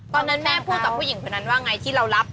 ตอนนั้นแม่พูดกับผู้หญิงคนนั้นว่าไงที่เรารับ